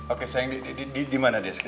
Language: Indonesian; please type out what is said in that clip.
oke sayang di mana dia sekarang